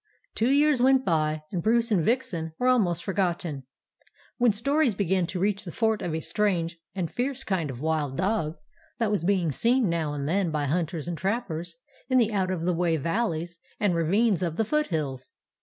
"Two years went by, and Bruce and Vixen were almost forgotten, when stories began to reach the fort of a strange and fierce kind of wild dog that was being seen now and then by hunters and trappers in the out of the way valleys and ravines of the foot hills.